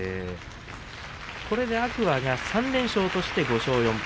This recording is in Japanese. これで天空海３連勝５勝４敗。